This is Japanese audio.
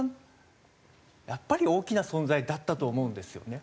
やっぱり大きな存在だったと思うんですよね。